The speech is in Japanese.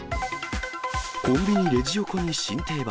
コンビニレジ横に新定番。